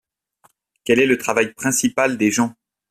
Quel est le travail principal des gens ?